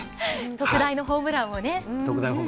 特大のホームランをね。